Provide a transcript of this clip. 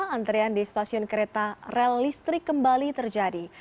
antrean di stasiun kereta rel listrik kembali terjadi